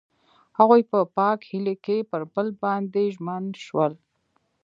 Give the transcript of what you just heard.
هغوی په پاک هیلې کې پر بل باندې ژمن شول.